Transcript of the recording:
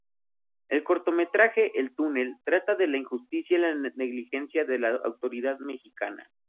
El cortometraje "El túnel" trata de la injusticia y negligencia de la autoridad mexicana.